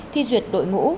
thi duyệt đội ngũ